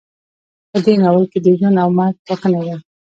په دې ناول کې د ژوند او مرګ ټاکنه ده.